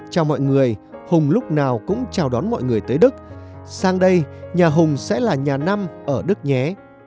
cho mọi người hùng lúc nào cũng chào đón mọi người tới đức sang đây nhà hùng sẽ là nhà năm ở đức nhé